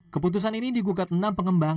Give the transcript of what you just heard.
keputusan ini digugat enam pengembang